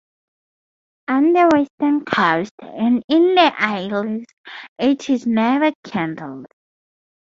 On the western coast and in the Isles it is never kindled.